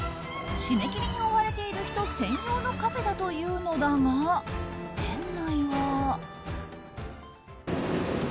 締め切りに追われている人専用のカフェだというのだが、店内は。